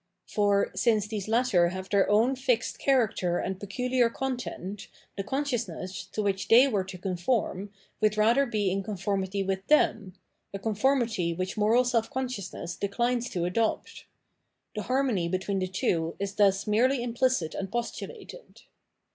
For, since these latter have their own fixed character and peculiar con tent, the consciousness, to which they were to conform, would rather be in conformity with them — a conformity which moral self consciousness declines to adopt. The harmony between the two is thus merely implicit and postulated.